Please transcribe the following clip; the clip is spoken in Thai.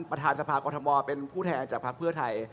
ประธานสภากฏฐมอเป็นผู้แทนจากพลังเพื่อไทย